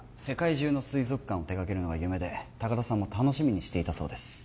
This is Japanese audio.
世界中の水族館を手がけるのが夢で高田さんも楽しみにしていたそうです